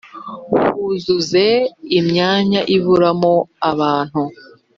huzuze imyanya iburamo abantu